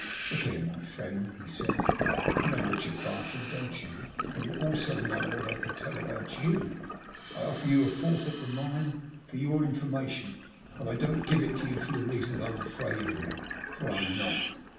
''Look here, my friend," he said, ''Tou know Bichard Bartrand, don't you? And you also know what I can tell about you. I offer you a fourth of the mine for your information, but I don't give it to you for the reason that I'm afraid of you, for I'm not.